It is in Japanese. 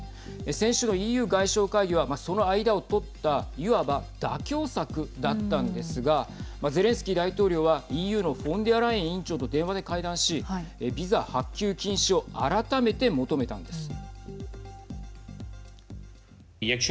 先週のＥＵ外相会議はその間を取ったいわば妥協策だったんですがゼレンスキー大統領はＥＵのフォンデアライエン委員長と電話で会談しビザ発給禁止を改めて求めたんです。